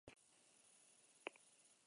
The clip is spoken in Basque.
Janari jada urritzen hasi da.